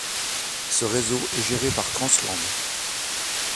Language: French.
Ce réseau est géré par Trans-Landes.